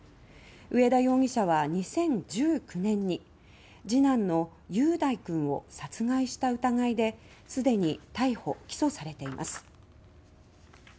上田容疑者は２０１９年に次男の雄大くんを殺害した疑いですでに逮捕・起訴されています。